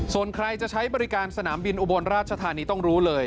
ส่วนใครจะใช้บริการสนามบินอุบลราชธานีต้องรู้เลย